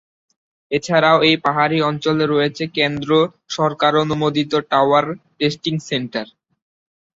এছাড়াও এই পাহাড়ি অঞ্চলে রয়েছে কেন্দ্র সরকার অনুমোদিত টাওয়ার টেস্টিং সেন্টার।